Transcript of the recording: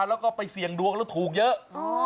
แล้วก็ไปเสี่ยงดวงแล้วถูกเยอะ